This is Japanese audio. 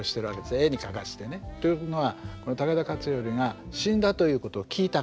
絵に描かせてね。というのは武田勝頼が死んだということを聞いたから。